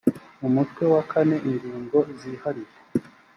umutwe wa kane ingingo zihariye